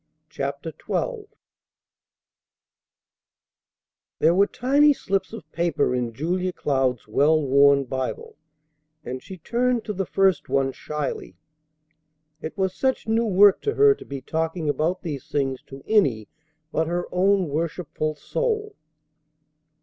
CHAPTER XII There were tiny slips of paper in Julia Cloud's well worn Bible, and she turned to the first one shyly. It was such new work to her to be talking about these things to any but her own worshipful soul.